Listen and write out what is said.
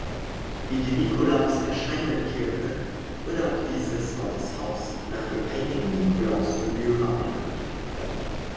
Wie die Nikolaus-Erscheiner-Kirche, wurde auch dieses Gotteshaus nach dem Heiligen Nikolaus von Myra benannt.